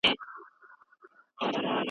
هغوی تل د بې وسو خلکو لاسنیوی کاوه.